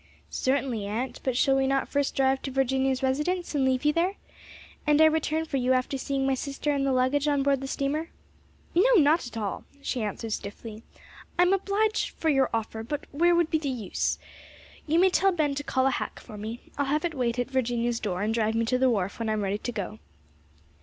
"Certainly, aunt; but shall we not first drive to Virginia's residence and leave you there? And I return for you after seeing my sister and the luggage on board the steamer?" "No, not at all!" she answered stiffly. "I am obliged for your offer, but where would be the use? You may tell Ben to call a hack for me. I'll have it wait at Virginia's door and drive me to the wharf when I am ready to go."